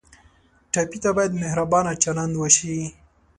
ټپي ته باید مهربانه چلند وشي.